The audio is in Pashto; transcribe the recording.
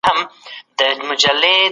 آيا رسوت اخيستل د بې نظمۍ نښه ده؟